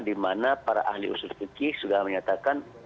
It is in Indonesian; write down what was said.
dimana para ahli usul suci sudah menyatakan